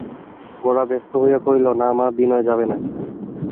গোরা ব্যস্ত হইয়া কহিল, না মা, বিনয় যাবে না।